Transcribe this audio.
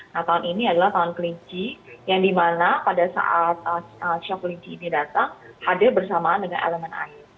nah tahun ini adalah tahun kelinci yang dimana pada saat chef kelinci ini datang hadir bersamaan dengan elemen air